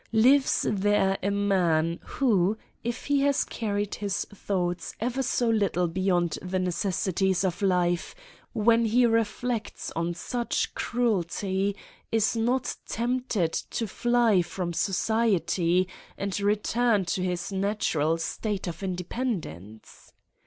Lives there a man who, if he has carried his thoughts ever so little beyond the necessities of life, when he reflects on such cruelty, is not tempted to fly from society, and return to his natural state of independence